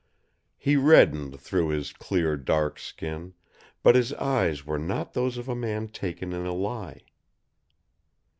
He reddened through his clear, dark skin, but his eyes were not those of a man taken in a lie.